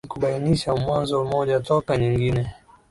ili kubainisha wazo moja toka nyingine.